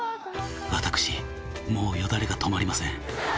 「私もうヨダレが止まりません」